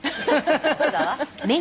そうだわ。